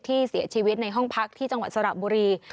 ที่เสียชีวิตในห้องพักที่จังหวัดสระบุรี